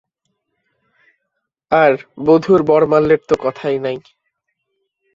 আর বধূর বরমাল্যের তো কথাই নাই।